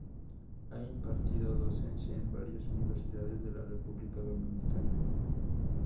Ha impartido docencia en varias Universidades de la República Dominicana.